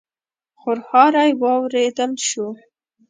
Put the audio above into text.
خرهاری واورېدل شو.